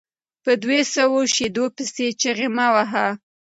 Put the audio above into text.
په توى سوو شېدو پيسي چیغي مه وهه!